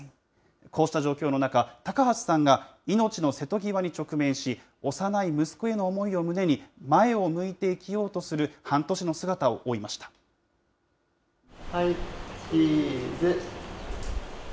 こうした状況の中、高橋さんが命の瀬戸際に直面し、幼い息子への思いを胸に、前を向いて生きようはい、チーズ。